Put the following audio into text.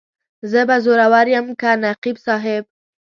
زه به زورور یم که نقیب صاحب.